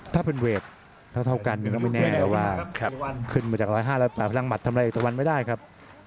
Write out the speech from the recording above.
ถ้าเป็นเวทเท่ากันก็ไม่แน่แต่ว่าขึ้นมาจาก๑๕๐๘พลังหมัดทำอะไรเอกตะวันไม่ได้ครับ